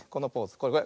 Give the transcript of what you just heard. これこれ。